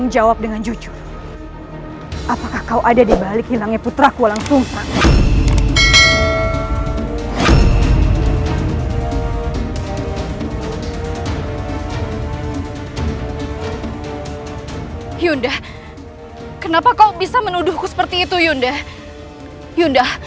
jangan lupa like share dan subscribe ya